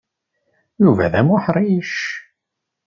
Yuba d amuḥṛic.